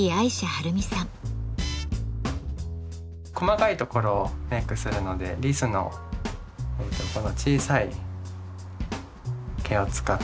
細かいところをメークするのでリスのこの小さい毛を使ってます。